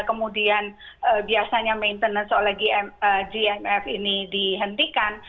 kemudian biasanya maintenance oleh gmf ini dihentikan